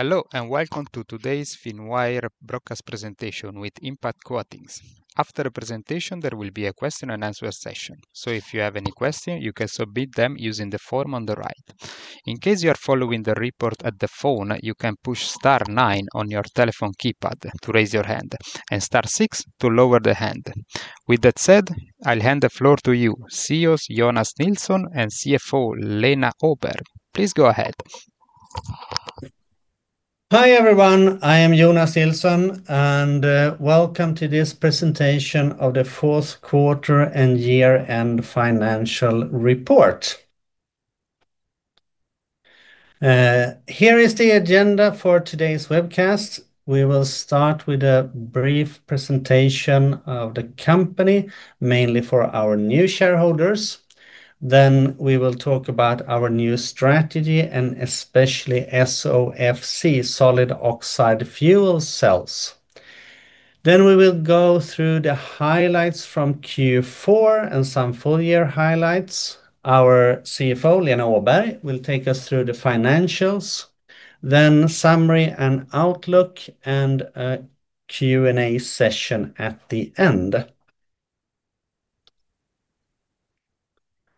Hello, and welcome to today's Finwire Broadcast presentation with Impact Coatings. After the presentation, there will be a question and answer session. If you have any question, you can submit them using the form on the right. In case you are following the report at the phone, you can push star nine on your telephone keypad to raise your hand, and star six to lower the hand. With that said, I'll hand the floor to you, CEO Jonas Nilsson, and CFO Lena Åberg. Please go ahead. Hi, everyone, I am Jonas Nilsson, and welcome to this Presentation of the Fourth Quarter and Year-End Financial Report. Here is the agenda for today's webcast. We will start with a brief presentation of the company, mainly for our new shareholders. Then we will talk about our new strategy and especially SOFC, solid oxide fuel cells. Then we will go through the highlights from Q4 and some full year highlights. Our CFO, Lena Åberg, will take us through the financials, then summary and outlook, and a Q&A session at the end.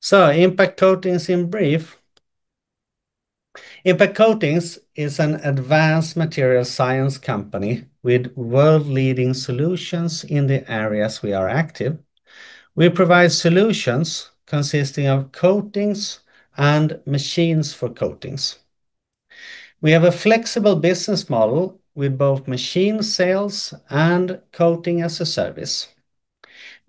So Impact Coatings in brief. Impact Coatings is an advanced material science company with world-leading solutions in the areas we are active. We provide solutions consisting of coatings and machines for coatings. We have a flexible business model with both machine sales and coating as a service.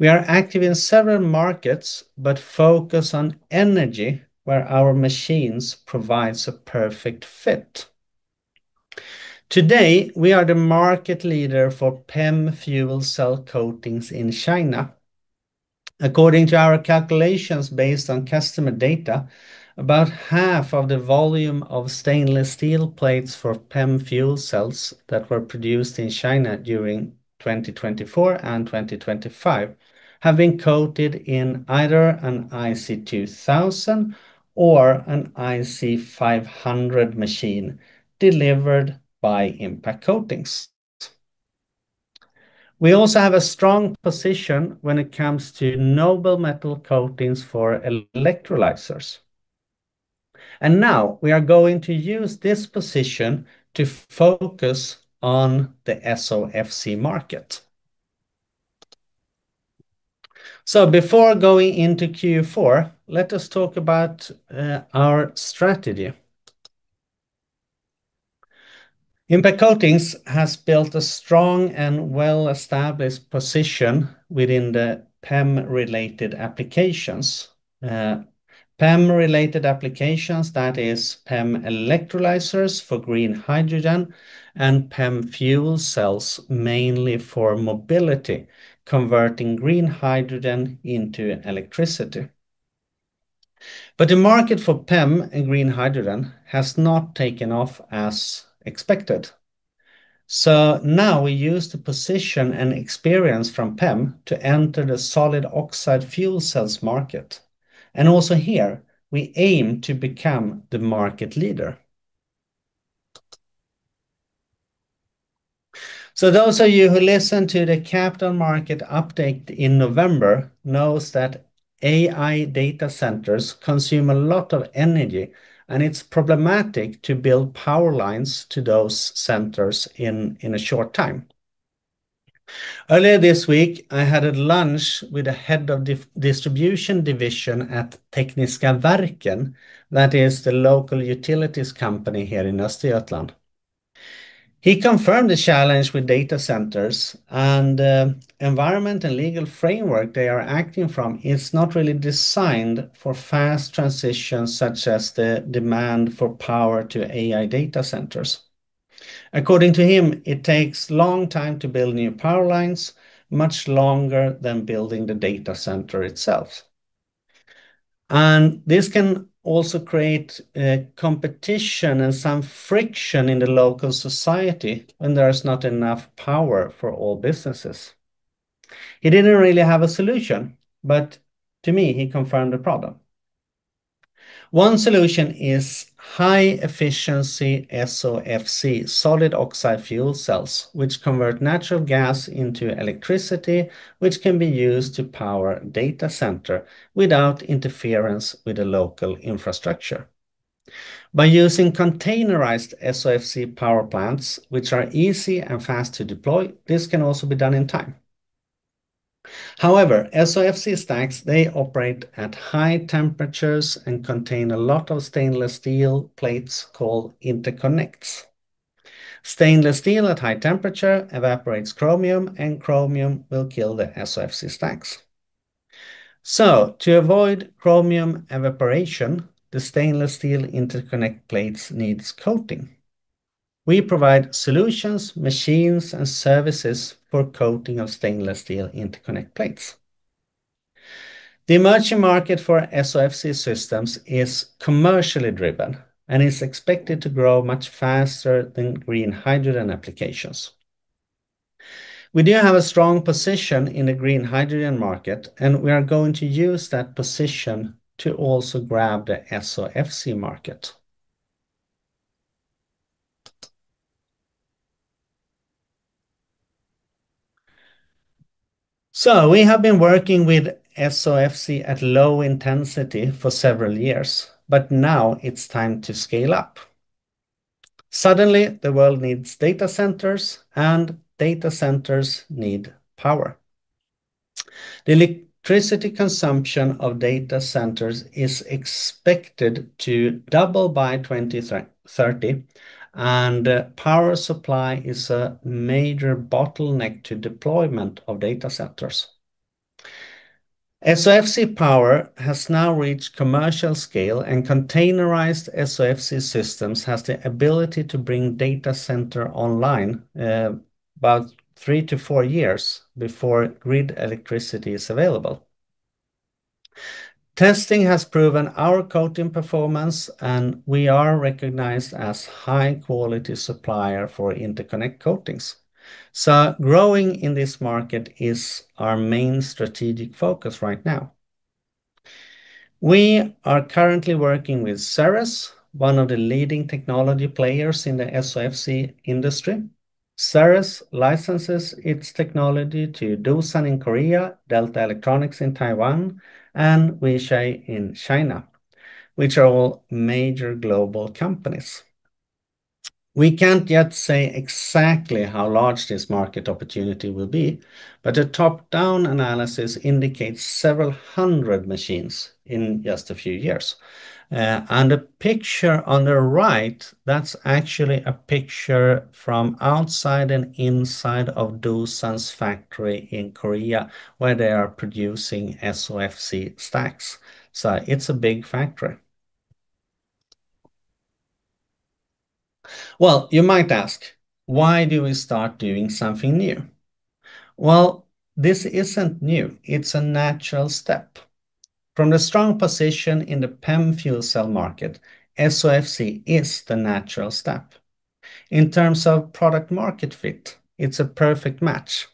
We are active in several markets, but focus on energy, where our machines provides a perfect fit. Today, we are the market leader for PEM fuel cell coatings in China. According to our calculations, based on customer data, about half of the volume of stainless steel plates for PEM fuel cells that were produced in China during 2024 and 2025 have been coated in either an IC2000 or an IC500 machine delivered by Impact Coatings. We also have a strong position when it comes to noble metal coatings for electrolyzers, and now we are going to use this position to focus on the SOFC market. So before going into Q4, let us talk about our strategy. Impact Coatings has built a strong and well-established position within the PEM-related applications. PEM-related applications, that is PEM electrolyzers for green hydrogen and PEM fuel cells, mainly for mobility, converting green hydrogen into electricity. But the market for PEM and green hydrogen has not taken off as expected. So now we use the position and experience from PEM to enter the solid oxide fuel cells market, and also here, we aim to become the market leader. So those of you who listened to the capital market update in November knows that AI data centers consume a lot of energy, and it's problematic to build power lines to those centers in, in a short time. Earlier this week, I had a lunch with the head of the distribution division at Tekniska verken, that is the local utilities company here in Östergötland. He confirmed the challenge with data centers, and environment and legal framework they are acting from is not really designed for fast transitions, such as the demand for power to AI data centers. According to him, it takes long time to build new power lines, much longer than building the data center itself. This can also create competition and some friction in the local society when there is not enough power for all businesses. He didn't really have a solution, but to me, he confirmed the problem. One solution is high-efficiency SOFC, solid oxide fuel cells, which convert natural gas into electricity, which can be used to power data center without interference with the local infrastructure. By using containerized SOFC power plants, which are easy and fast to deploy, this can also be done in time. However, SOFC stacks, they operate at high temperatures and contain a lot of stainless steel plates called interconnects. Stainless steel at high temperature evaporates chromium, and chromium will kill the SOFC stacks. So to avoid chromium evaporation, the stainless steel interconnect plates needs coating. We provide solutions, machines, and services for coating of stainless steel interconnect plates. The emerging market for SOFC systems is commercially driven and is expected to grow much faster than green hydrogen applications. We do have a strong position in the green hydrogen market, and we are going to use that position to also grab the SOFC market. So we have been working with SOFC at low intensity for several years, but now it's time to scale up. Suddenly, the world needs data centers, and data centers need power. The electricity consumption of data centers is expected to double by 2030, and power supply is a major bottleneck to deployment of data centers. SOFC power has now reached commercial scale, and containerized SOFC systems has the ability to bring data center online, about three to four years before grid electricity is available. Testing has proven our coating performance, and we are recognized as high-quality supplier for interconnect coatings. So growing in this market is our main strategic focus right now. We are currently working with Ceres, one of the leading technology players in the SOFC industry. Ceres licenses its technology to Doosan in Korea, Delta Electronics in Taiwan, and Weichai in China, which are all major global companies. We can't yet say exactly how large this market opportunity will be, but a top-down analysis indicates several hundred machines in just a few years. And the picture on the right, that's actually a picture from outside and inside of Doosan's factory in Korea, where they are producing SOFC stacks. So it's a big factory. Well, you might ask, why do we start doing something new? Well, this isn't new. It's a natural step. From the strong position in the PEM fuel cell market, SOFC is the natural step. In terms of product-market fit, it's a perfect match.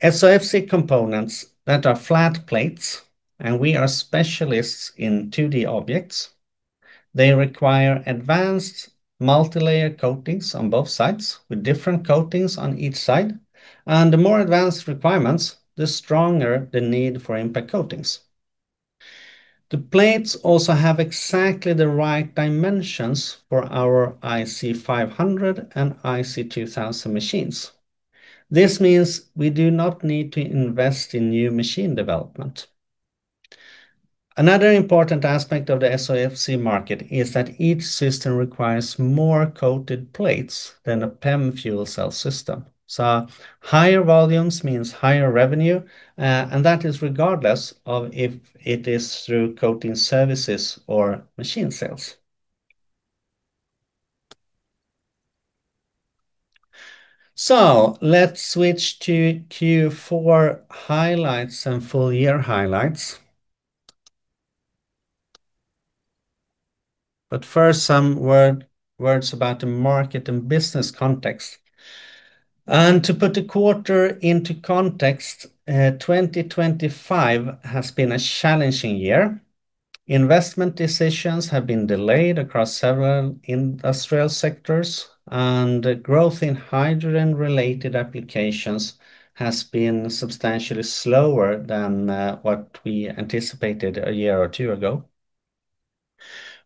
SOFC components that are flat plates, and we are specialists in 2D objects. They require advanced multilayer coatings on both sides, with different coatings on each side, and the more advanced requirements, the stronger the need for Impact Coatings. The plates also have exactly the right dimensions for our IC500 and IC2000 machines. This means we do not need to invest in new machine development. Another important aspect of the SOFC market is that each system requires more coated plates than a PEM fuel cell system. So higher volumes means higher revenue, and that is regardless of if it is through coating services or machine sales. So let's switch to Q4 highlights and full year highlights. But first, some words about the market and business context. And to put the quarter into context, 2025 has been a challenging year. Investment decisions have been delayed across several industrial sectors, and growth in hydrogen-related applications has been substantially slower than what we anticipated a year or two ago.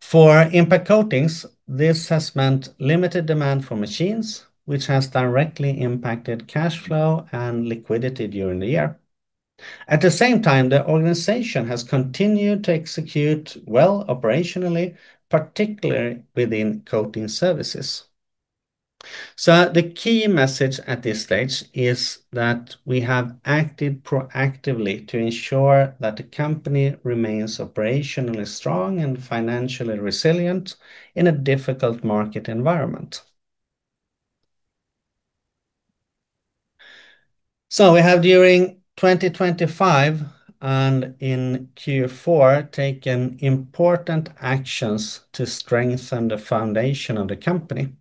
For Impact Coatings, this has meant limited demand for machines, which has directly impacted cash flow and liquidity during the year. At the same time, the organization has continued to execute well operationally, particularly within coating services. So the key message at this stage is that we have acted proactively to ensure that the company remains operationally strong and financially resilient in a difficult market environment. So we have, during 2025 and in Q4, taken important actions to strengthen the foundation of the company.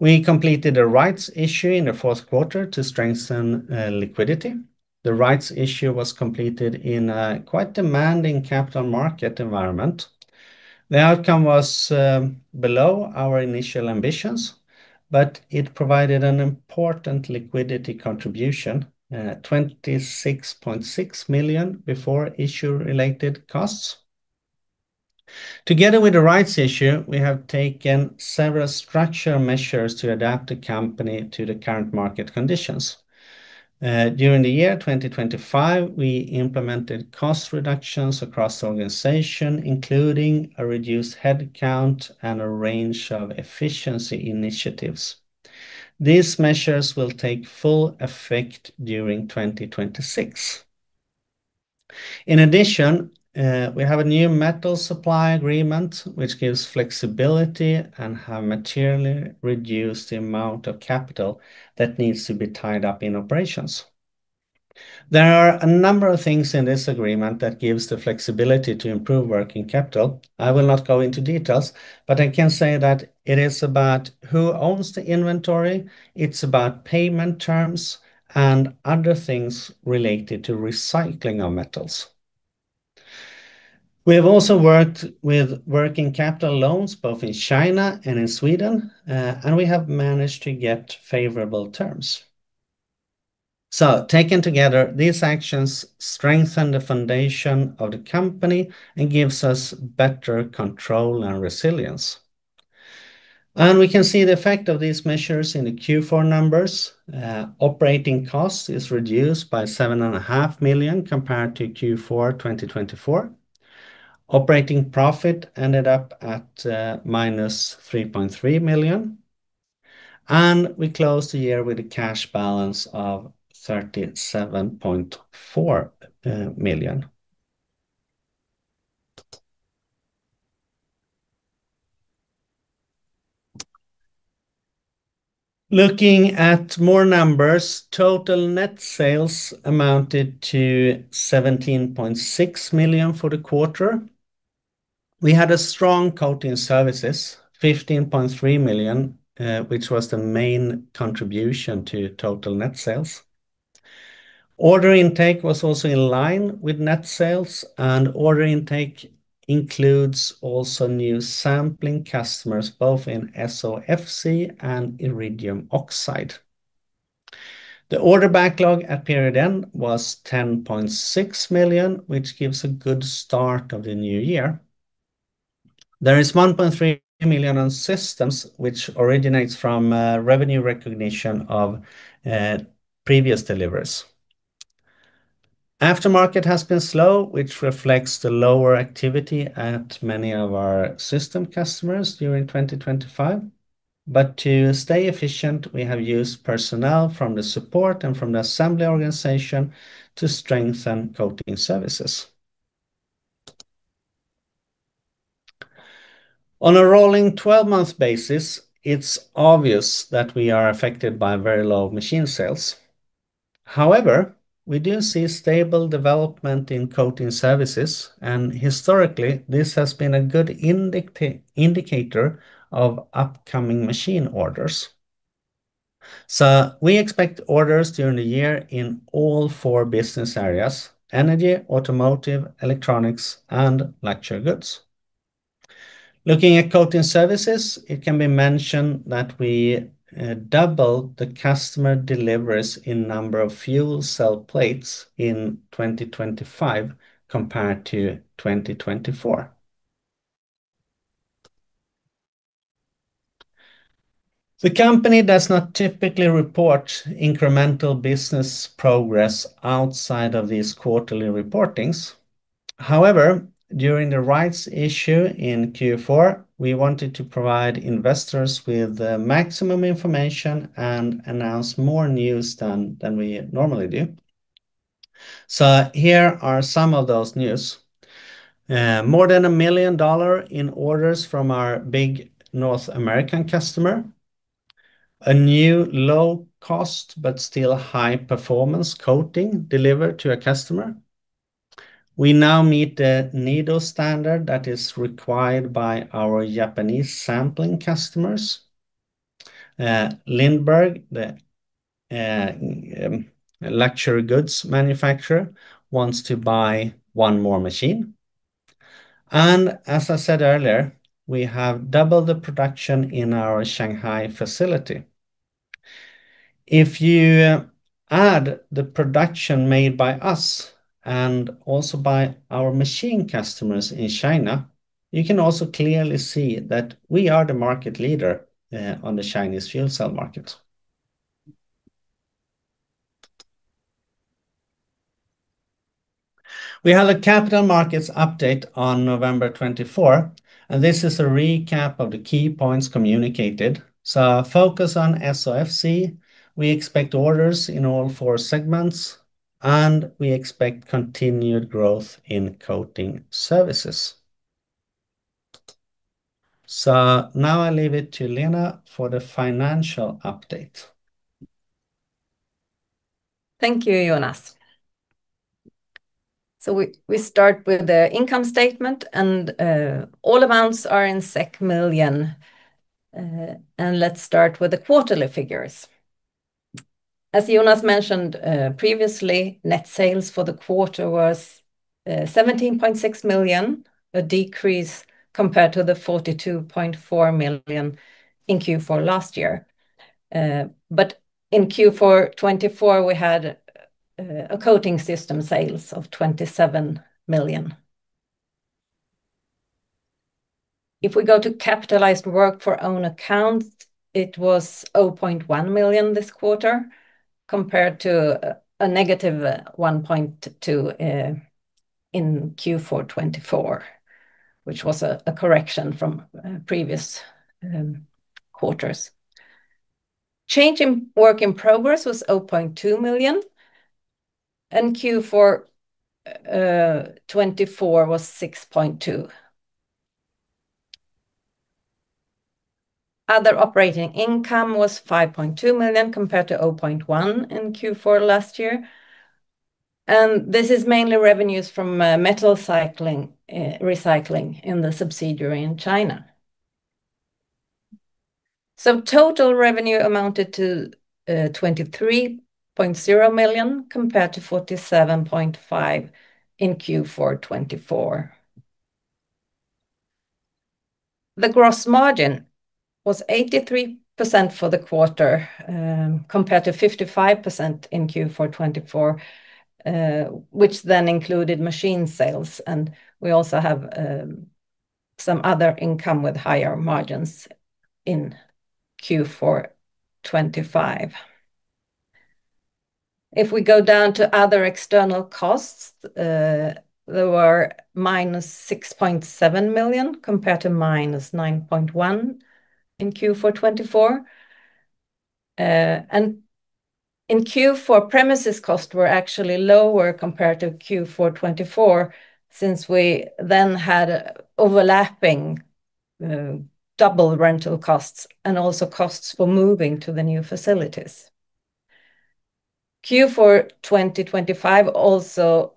We completed a rights issue in the fourth quarter to strengthen liquidity. The rights issue was completed in a quite demanding capital market environment. The outcome was below our initial ambitions, but it provided an important liquidity contribution, 26.6 million before issue-related costs. Together with the rights issue, we have taken several structural measures to adapt the company to the current market conditions. During the year 2025, we implemented cost reductions across the organization, including a reduced head count and a range of efficiency initiatives. These measures will take full effect during 2026. In addition, we have a new metal supply agreement, which gives flexibility and have materially reduced the amount of capital that needs to be tied up in operations. There are a number of things in this agreement that gives the flexibility to improve working capital. I will not go into details, but I can say that it is about who owns the inventory, it's about payment terms, and other things related to recycling of metals. We have also worked with working capital loans, both in China and in Sweden, and we have managed to get favorable terms. So taken together, these actions strengthen the foundation of the company and gives us better control and resilience. And we can see the effect of these measures in the Q4 numbers. Operating costs is reduced by 7.5 million compared to Q4 2024. Operating profit ended up at -3.3 million, and we closed the year with a cash balance of 37.4 million. Looking at more numbers, total net sales amounted to 17.6 million for the quarter. We had a strong coating services, 15.3 million, which was the main contribution to total net sales. Order intake was also in line with net sales, and order intake includes also new sampling customers, both in SOFC and iridium oxide. The order backlog at period end was 10.6 million, which gives a good start of the new year. There is 1.3 million on systems, which originates from revenue recognition of previous deliveries. Aftermarket has been slow, which reflects the lower activity at many of our system customers during 2025. But to stay efficient, we have used personnel from the support and from the assembly organization to strengthen coating services. On a rolling 12-month basis, it's obvious that we are affected by very low machine sales. However, we do see stable development in coating services, and historically, this has been a good indicator of upcoming machine orders. So we expect orders during the year in all four business areas: energy, automotive, electronics, and luxury goods. Looking at coating services, it can be mentioned that we doubled the customer deliveries in number of fuel cell plates in 2025 compared to 2024. The company does not typically report incremental business progress outside of these quarterly reportings. However, during the rights issue in Q4, we wanted to provide investors with the maximum information and announce more news than we normally do. So here are some of those news. More than $1 million in orders from our big North American customer. A new low cost, but still high-performance coating delivered to a customer. We now meet the NEDO standard that is required by our Japanese sampling customers. Lindberg, the, luxury goods manufacturer, wants to buy one more machine, and as I said earlier, we have doubled the production in our Shanghai facility. If you add the production made by us and also by our machine customers in China, you can also clearly see that we are the market leader, on the Chinese fuel cell market. We had a capital markets update on November 24, and this is a recap of the key points communicated. So focus on SOFC. We expect orders in all four segments, and we expect continued growth in coating services. Now I leave it to Lena for the financial update. Thank you, Jonas. So we start with the income statement, and all amounts are in million. And let's start with the quarterly figures. As Jonas mentioned previously, net sales for the quarter was 17.6 million, a decrease compared to the 42.4 million in Q4 last year. But in Q4 2024, we had a coating system sales of 27 million. If we go to capitalized work for own accounts, it was 0.1 million this quarter, compared to a -1.2 million in Q4 2024, which was a correction from previous quarters. Change in work in progress was 0.2 million, and Q4 2024 was 6.2 million. Other operating income was 5.2 million compared to 0.1 million in Q4 last year. This is mainly revenues from metal recycling in the subsidiary in China. Total revenue amounted to 23.0 million, compared to 47.5 million in Q4 2024. The gross margin was 83% for the quarter, compared to 55% in Q4 2024, which then included machine sales, and we also have some other income with higher margins in Q4 2025. If we go down to other external costs, there were -6.7 million, compared to -9.1 million in Q4 2024. And in Q4, premises costs were actually lower compared to Q4 2024, since we then had overlapping double rental costs and also costs for moving to the new facilities. Q4 2025 also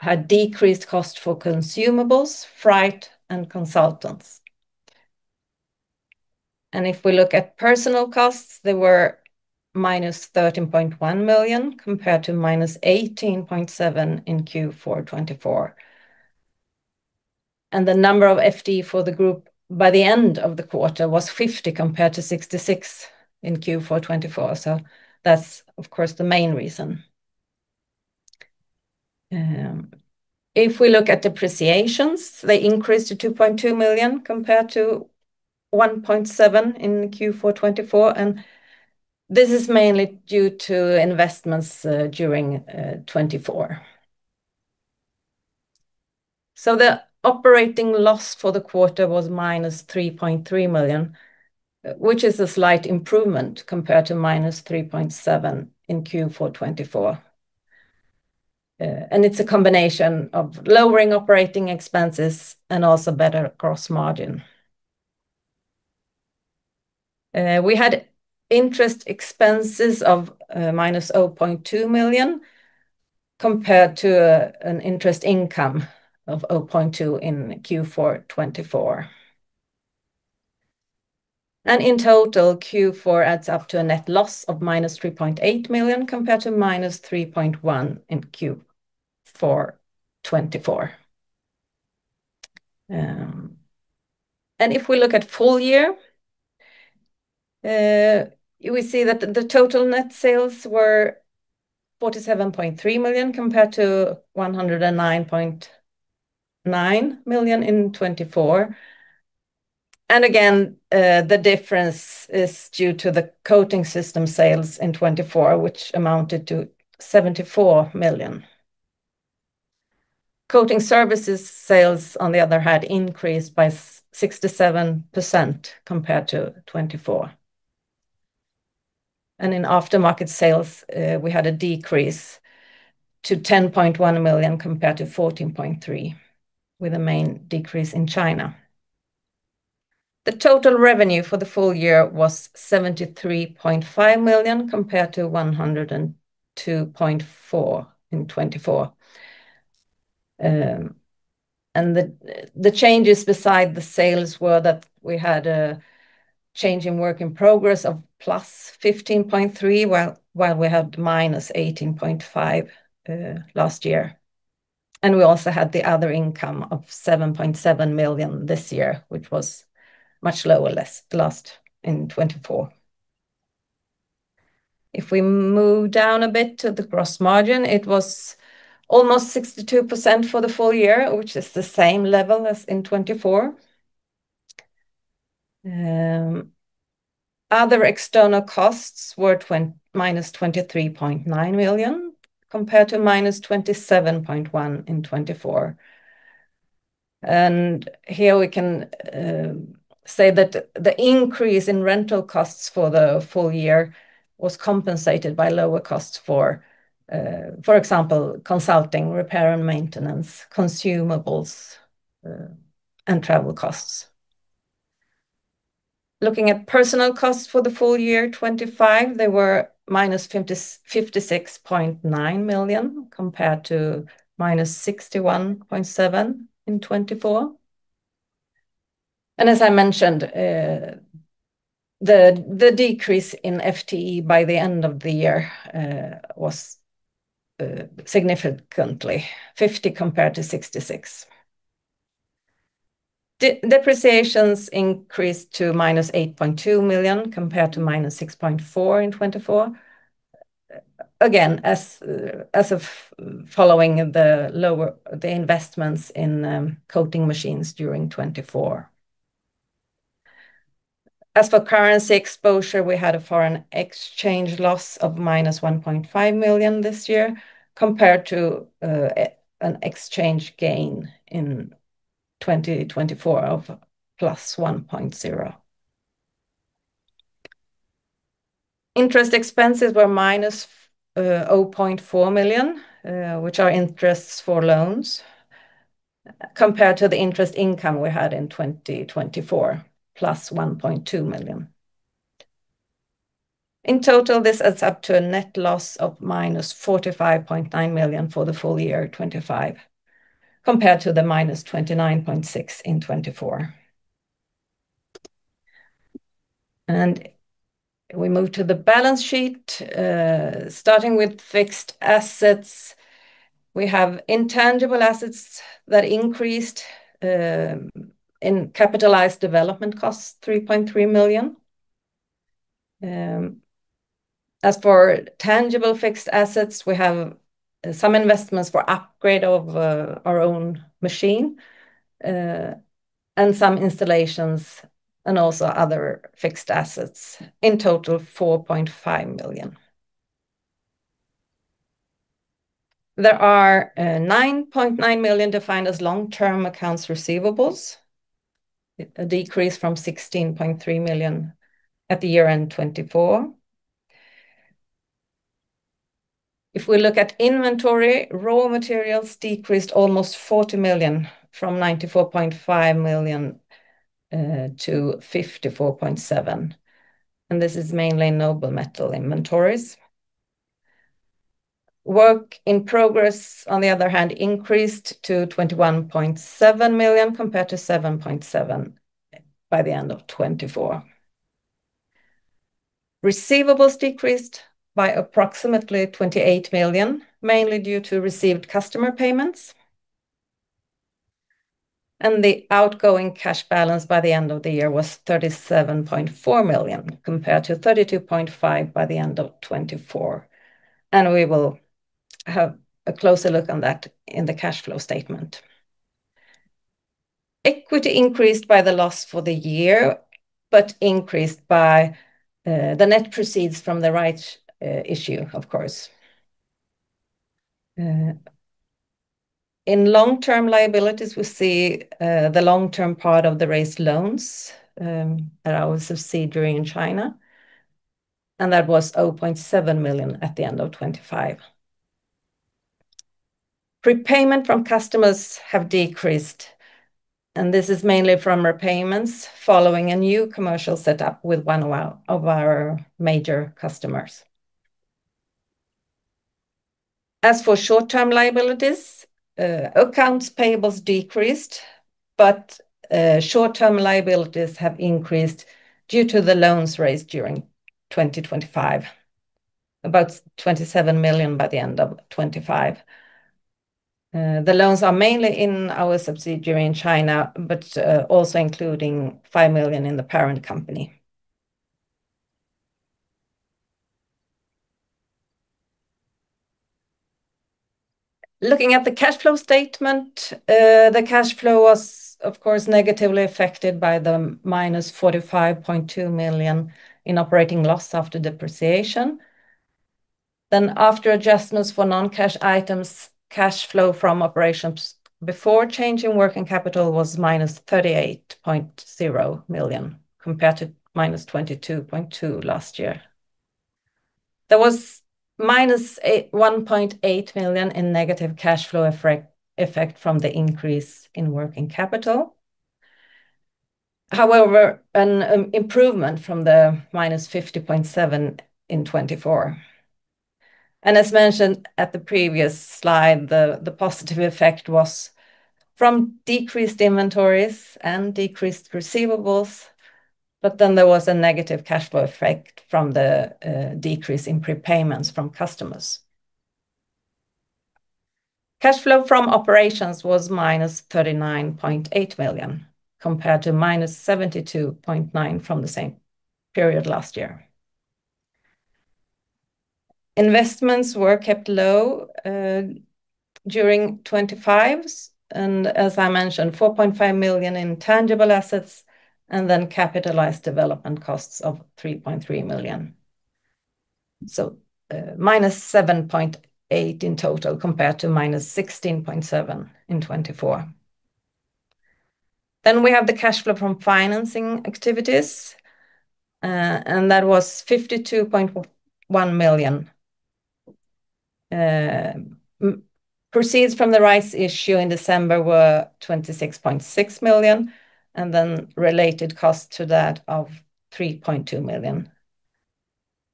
had decreased cost for consumables, freight, and consultants. If we look at personnel costs, they were -13.1 million, compared to -18.7 million in Q4 2024. The number of FTE for the group by the end of the quarter was 50, compared to 66 in Q4 2024. So that's, of course, the main reason. If we look at depreciations, they increased to 2.2 million, compared to 1.7 million in Q4 2024, and this is mainly due to investments during 2024. So the operating loss for the quarter was -3.3 million, which is a slight improvement compared to -3.7 million in Q4 2024. And it's a combination of lowering operating expenses and also better gross margin. We had interest expenses of -0.2 million, compared to an interest income of 0.2 million in Q4 2024. In total, Q4 adds up to a net loss of -3.8 million, compared to -3.1 million in Q4 2024. If we look at full year, we see that the total net sales were 47.3 million, compared to 109.9 million in 2024. Again, the difference is due to the coating system sales in 2024, which amounted to 74 million. Coating services sales, on the other hand, increased by 67% compared to 2024. In aftermarket sales, we had a decrease to 10.1 million compared to 14.3 million, with the main decrease in China. The total revenue for the full year was 73.5 million, compared to 102.4 million in 2024. And the changes besides the sales were that we had a change in work in progress of +15.3 million, while we had -18.5 million last year. And we also had the other income of 7.7 million this year, which was much lower than last in 2024. If we move down a bit to the gross margin, it was almost 62% for the full year, which is the same level as in 2024. Other external costs were -23.9 million, compared to -27.1 million in 2024. And here we can say that the increase in rental costs for the full year was compensated by lower costs for, for example, consulting, repair and maintenance, consumables, and travel costs. Looking at personnel costs for the full year 2025, they were -56.9 million, compared to -61.7 million in 2024. And as I mentioned, the decrease in FTE by the end of the year was significantly 50 compared to 66. Depreciation increased to -8.2 million, compared to -6.4 million in 2024. Again, as a result of the lower investments in coating machines during 2024. As for currency exposure, we had a foreign exchange loss of -1.5 million this year, compared to an exchange gain in 2024 of +1.0 million. Interest expenses were -0.4 million, which are interests for loans, compared to the interest income we had in 2024, +1.2 million. In total, this adds up to a net loss of -45.9 million for the full year 2025, compared to the -29.6 million in 2024. We move to the balance sheet. Starting with fixed assets, we have intangible assets that increased in capitalized development costs, 3.3 million. As for tangible fixed assets, we have some investments for upgrade of our own machine and some installations, and also other fixed assets. In total, 4.5 million. There are 9.9 million defined as long-term accounts receivables, a decrease from 16.3 million at the year-end 2024. If we look at inventory, raw materials decreased almost 40 million, from 94.5 million to 54.7 million, and this is mainly noble metal inventories. Work in progress, on the other hand, increased to 21.7 million, compared to 7.7 million by the end of 2024. Receivables decreased by approximately 28 million, mainly due to received customer payments. The outgoing cash balance by the end of the year was 37.4 million, compared to 32.5 million by the end of 2024, and we will have a closer look on that in the cash flow statement. Equity increased by the loss for the year, but increased by the net proceeds from the rights issue, of course. In long-term liabilities, we see the long-term part of the raised loans at our subsidiary in China, and that was 0.7 million at the end of 2025. Prepayments from customers have decreased, and this is mainly from repayments following a new commercial setup with one of our major customers. As for short-term liabilities, accounts payables decreased, but short-term liabilities have increased due to the loans raised during 2025, about 27 million by the end of 2025. The loans are mainly in our subsidiary in China, but also including 5 million in the parent company. Looking at the cash flow statement, the cash flow was, of course, negatively affected by the -45.2 million in operating loss after depreciation. Then, after adjustments for non-cash items, cash flow from operations before change in working capital was -38.0 million, compared to -22.2 million last year. There was -1.8 million in negative cash flow effect from the increase in working capital. However, an improvement from the -50.7 million in 2024. As mentioned at the previous slide, the positive effect was from decreased inventories and decreased receivables, but then there was a negative cash flow effect from the decrease in prepayments from customers. Cash flow from operations was -39.8 million, compared to -72.9 million from the same period last year. Investments were kept low during 2025, and as I mentioned, 4.5 million in tangible assets, and then capitalized development costs of 3.3 million. -7.8 million in total, compared to -16.7 million in 2024. We have the cash flow from financing activities, and that was 52.1 million. Proceeds from the rights issue in December were 26.6 million, and then related cost to that of 3.2 million.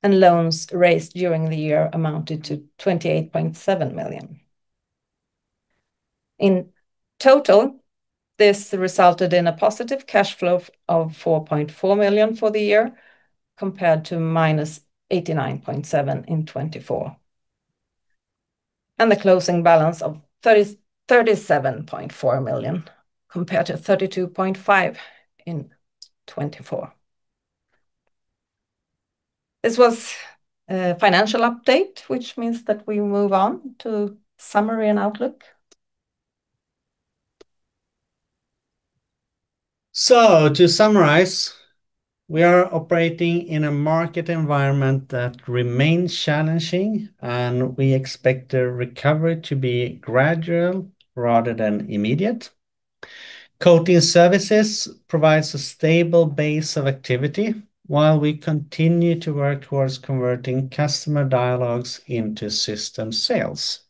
Loans raised during the year amounted to 28.7 million. In total, this resulted in a positive cash flow of 4.4 million for the year, compared to -89.7 million in 2024, and the closing balance of 37.4 million, compared to 32.5 million in 2024. This was a financial update, which means that we move on to summary and outlook. So to summarize, we are operating in a market environment that remains challenging, and we expect the recovery to be gradual rather than immediate. Coating services provides a stable base of activity, while we continue to work towards converting customer dialogues into system sales.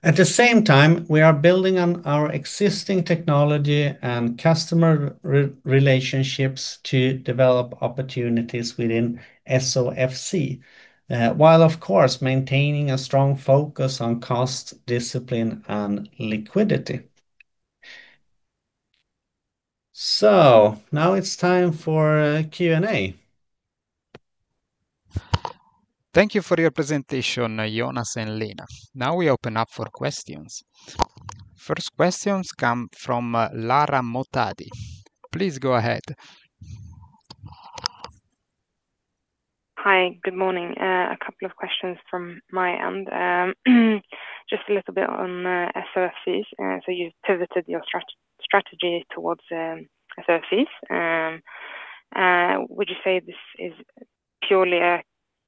At the same time, we are building on our existing technology and customer relationships to develop opportunities within SOFC, while of course, maintaining a strong focus on cost, discipline, and liquidity. So now it's time for Q&A. Thank you for your presentation, Jonas and Lena. Now we open up for questions. First questions come from Lara Mohtadi. Please go ahead. Hi, good morning. A couple of questions from my end. Just a little bit on SOFCs. So you've pivoted your strategy towards SOFCs. Would you say this is purely a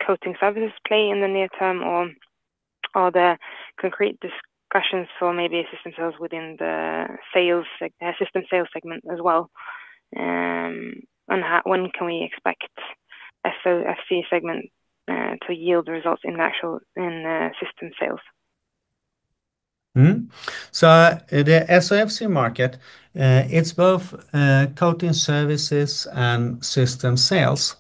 coating services play in the near term, or are there concrete discussions for maybe system sales within the system sales segment as well? And when can we expect SOFC segment to yield results in the actual, in system sales? So the SOFC market, it's both coating services and system sales,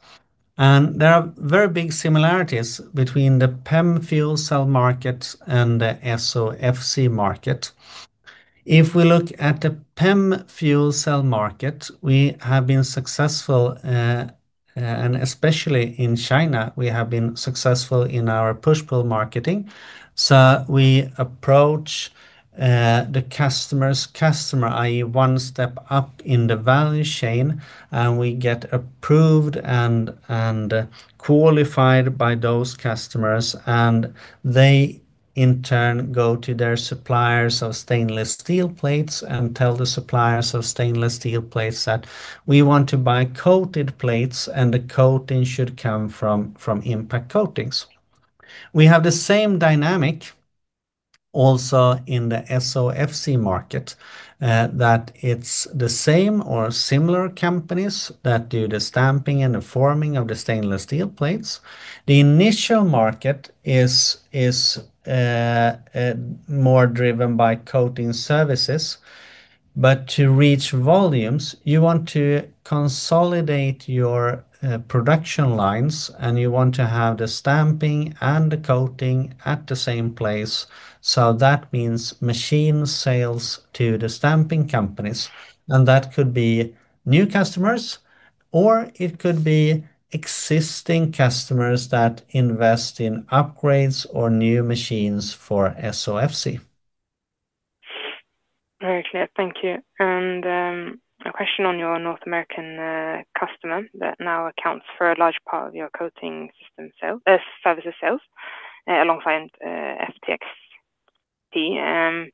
and there are very big similarities between the PEM fuel cell market and the SOFC market. If we look at the PEM fuel cell market, we have been successful, and especially in China, we have been successful in our push-pull marketing. So we approach the customer's customer, i.e., one step up in the value chain, and we get approved and qualified by those customers, and they, in turn, go to their suppliers of stainless steel plates and tell the suppliers of stainless steel plates that, "We want to buy coated plates, and the coating should come from Impact Coatings." We have the same dynamic also in the SOFC market, that it's the same or similar companies that do the stamping and the forming of the stainless steel plates. The initial market is more driven by coating services, but to reach volumes, you want to consolidate your production lines, and you want to have the stamping and the coating at the same place. So that means machine sales to the stamping companies, and that could be new customers, or it could be existing customers that invest in upgrades or new machines for SOFC. Very clear. Thank you. A question on your North American customer that now accounts for a large part of your coating system sale, services sales, alongside FTXT.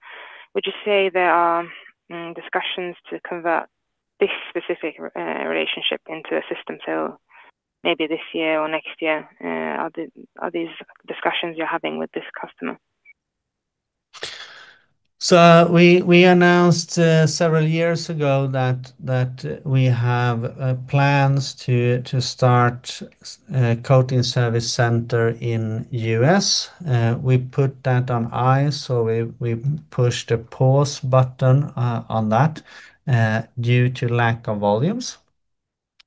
Would you say there are discussions to convert this specific relationship into a system sale, maybe this year or next year? Are these discussions you're having with this customer? So we announced several years ago that we have plans to start a coating service center in U.S. We put that on ice, so we pushed the pause button on that due to lack of volumes.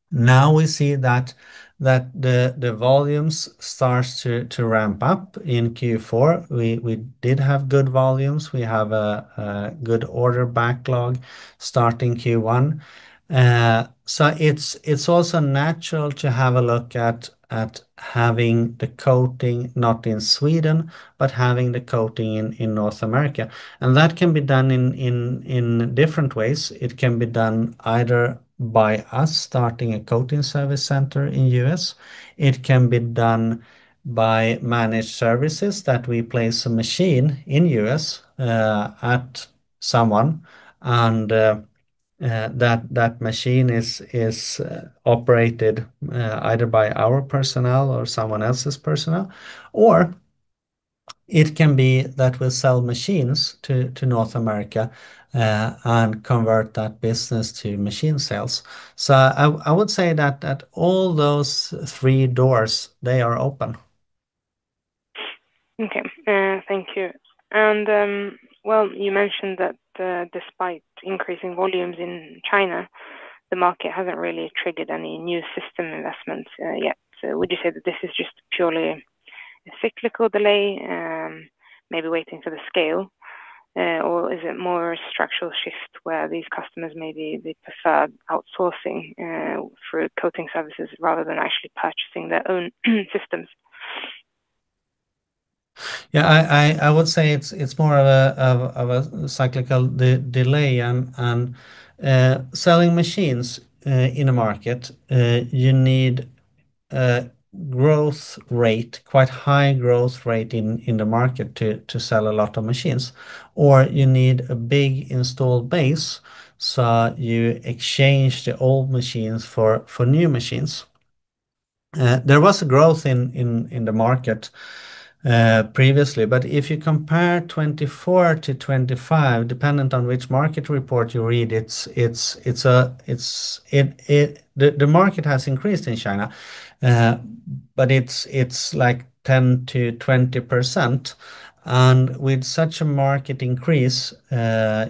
Now we see that the volumes starts to ramp up. In Q4, we did have good volumes. We have a good order backlog starting Q1. So it's also natural to have a look at having the coating not in Sweden, but having the coating in North America, and that can be done in different ways. It can be done either by us starting a coating service center in U.S. It can be done by managed services, that we place a machine in U.S., at someone, and that machine is operated either by our personnel or someone else's personnel. Or it can be that we'll sell machines to North America, and convert that business to machine sales. So I would say that at all those three doors, they are open. Okay, thank you. Well, you mentioned that, despite increasing volumes in China, the market hasn't really triggered any new system investments, yet. So would you say that this is just purely a cyclical delay, maybe waiting for the scale? Or is it more a structural shift, where these customers, maybe they prefer outsourcing, through coating services rather than actually purchasing their own systems? Yeah, I would say it's more of a cyclical delay. Selling machines in a market, you need a growth rate, quite high growth rate in the market to sell a lot of machines, or you need a big installed base, so you exchange the old machines for new machines. There was a growth in the market previously, but if you compare 2024-2025, dependent on which market report you read, the market has increased in China, but it's like 10%-20%, and with such a market increase,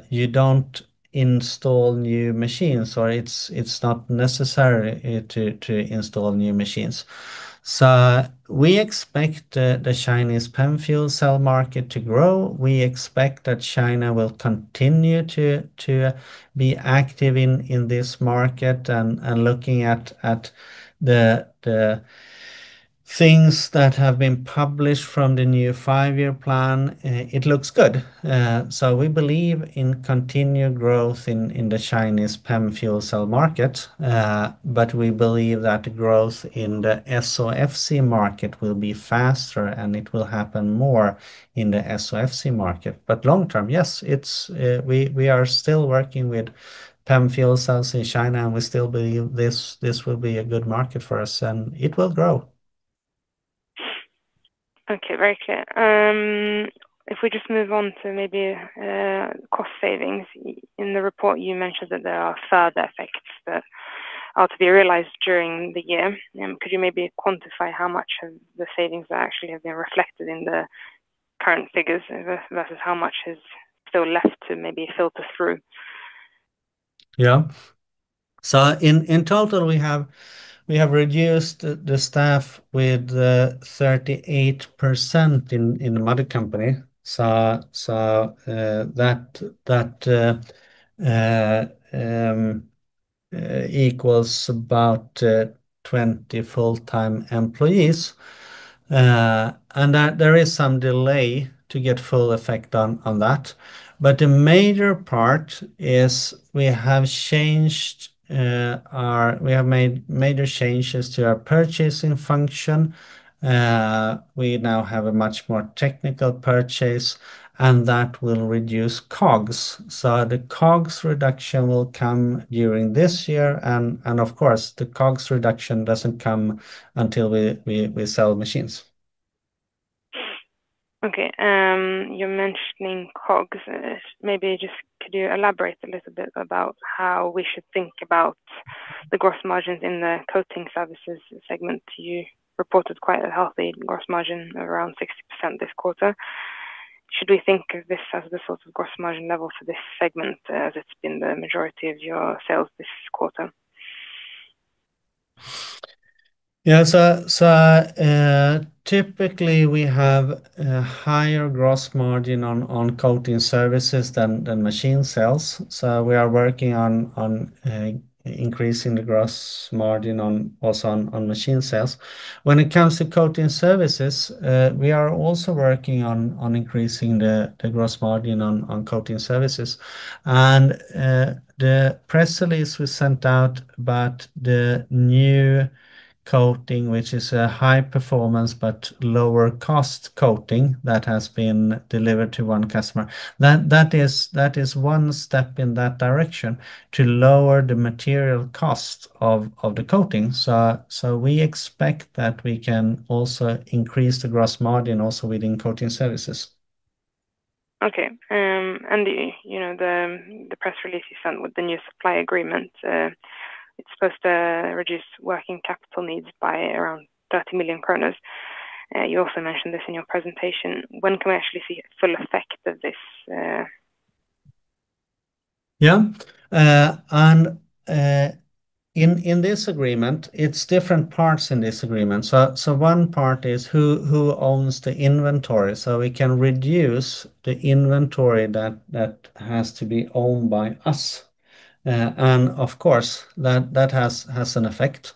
you don't install new machines, or it's not necessary to install new machines. So we expect the Chinese PEM fuel cell market to grow. We expect that China will continue to be active in this market and looking at the things that have been published from the new five-year plan, it looks good. So we believe in continued growth in the Chinese PEM fuel cell market, but we believe that the growth in the SOFC market will be faster, and it will happen more in the SOFC market. But long term, yes, it's we are still working with PEM fuel cells in China, and we still believe this will be a good market for us, and it will grow. Okay, very clear. If we just move on to maybe cost savings. In the report, you mentioned that there are further effects that are to be realized during the year. Could you maybe quantify how much of the savings that actually have been reflected in the current figures, versus how much is still left to maybe filter through? Yeah. So in total, we have reduced the staff with 38% in the mother company. So that equals about 20 full-time employees. And that there is some delay to get full effect on that. But the major part is we have changed our. We have made major changes to our purchasing function. We now have a much more technical purchase, and that will reduce COGS. So the COGS reduction will come during this year, and of course, the COGS reduction doesn't come until we sell machines. Okay, you're mentioning COGS. Maybe just could you elaborate a little bit about how we should think about the gross margins in the Coating Services segment? You reported quite a healthy gross margin, around 60% this quarter. Should we think of this as the sort of gross margin level for this segment, that's been the majority of your sales this quarter? Yeah. So typically, we have a higher gross margin on coating services than machine sales. So we are working on increasing the gross margin also on machine sales. When it comes to coating services, we are also working on increasing the gross margin on coating services. And the press release was sent out about the new coating, which is a high performance but lower cost coating that has been delivered to one customer. That is one step in that direction to lower the material cost of the coating. So we expect that we can also increase the gross margin also within coating services. Okay. You know, the press release you sent with the new supply agreement, it's supposed to reduce working capital needs by around 30 million kronor. You also mentioned this in your presentation. When can we actually see the full effect of this? Yeah. And in this agreement, it's different parts in this agreement. So one part is who owns the inventory, so we can reduce the inventory that has to be owned by us. And of course, that has an effect.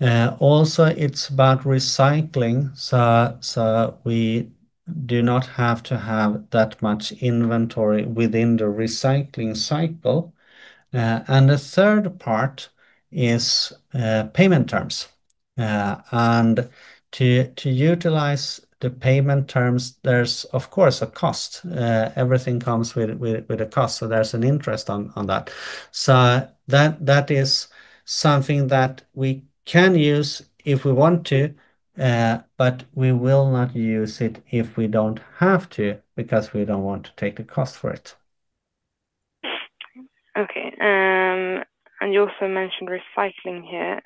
Also, it's about recycling, so we do not have to have that much inventory within the recycling cycle. And the third part is payment terms. And to utilize the payment terms, there's of course a cost. Everything comes with a cost, so there's an interest on that. So that is something that we can use if we want to, but we will not use it if we don't have to, because we don't want to take a cost for it. Okay, and you also mentioned recycling here.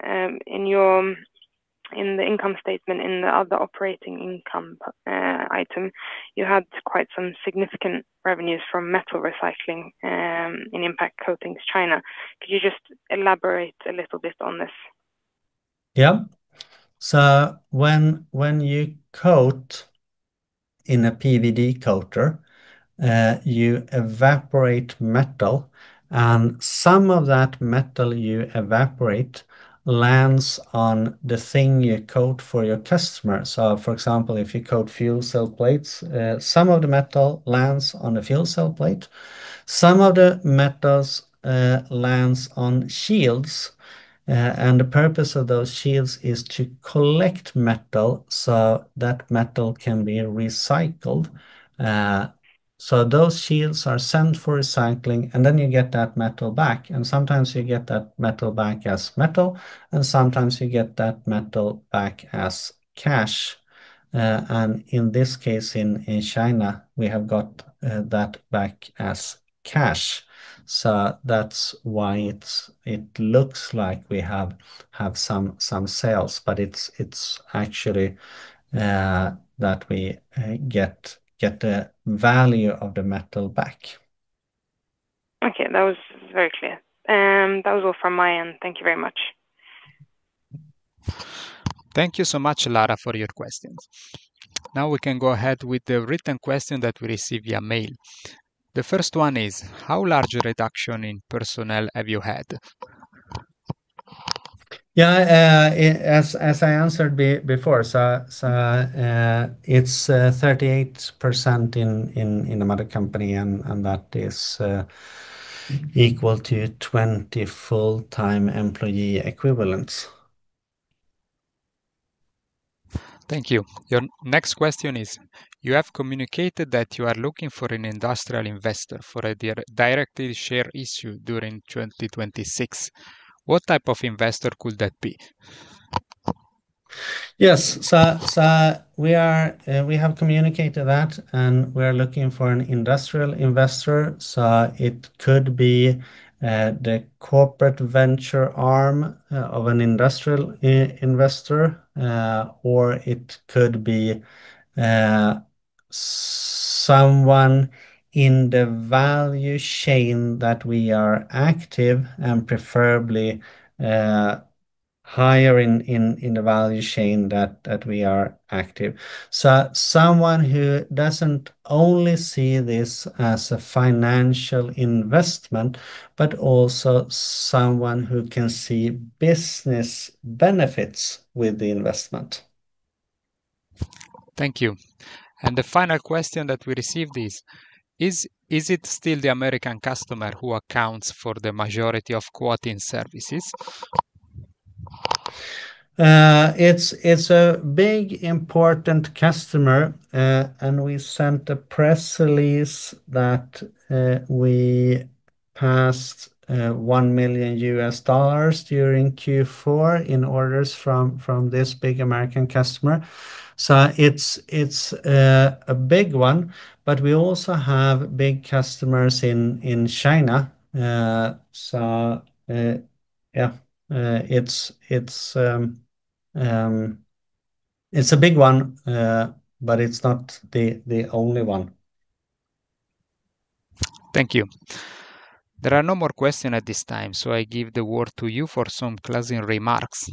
In the income statement, in the other operating income item, you had quite some significant revenues from metal recycling in Impact Coatings China. Could you just elaborate a little bit on this? Yeah. So when you coat in a PVD coater, you evaporate metal, and some of that metal you evaporate lands on the thing you coat for your customer. So for example, if you coat fuel cell plates, some of the metal lands on the fuel cell plate, some of the metals lands on shields. And the purpose of those shields is to collect metal so that metal can be recycled. So those shields are sent for recycling, and then you get that metal back, and sometimes you get that metal back as metal, and sometimes you get that metal back as cash. And in this case, in China, we have got that back as cash. So that's why it looks like we have some sales, but it's actually that we get the value of the metal back. Okay, that was very clear. That was all from my end. Thank you very much. Thank you so much, Lara, for your questions. Now we can go ahead with the written question that we received via mail. The first one is: How large a reduction in personnel have you had? Yeah, as I answered before, so it's 38% in the mother company, and that is equal to 20 full-time employee equivalents. Thank you. Your next question is: You have communicated that you are looking for an industrial investor for a directed share issue during 2026. What type of investor could that be? Yes. So we have communicated that, and we are looking for an industrial investor. So it could be the corporate venture arm of an industrial investor, or it could be someone in the value chain that we are active and preferably higher in the value chain that we are active. So someone who doesn't only see this as a financial investment, but also someone who can see business benefits with the investment. Thank you. And the final question that we received is: Is it still the American customer who accounts for the majority of coating services? It's a big, important customer, and we sent a press release that we passed $1 million during Q4 in orders from this big American customer. So it's a big one, but we also have big customers in China. So, yeah, it's a big one, but it's not the only one. Thank you. There are no more questions at this time, so I give the word to you for some closing remarks.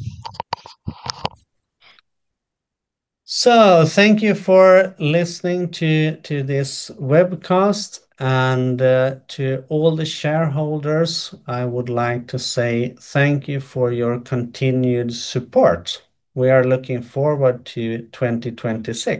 Thank you for listening to this webcast, and to all the shareholders, I would like to say thank you for your continued support. We are looking forward to 2026.